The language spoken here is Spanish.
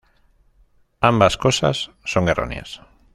Ambas cosas son erróneas.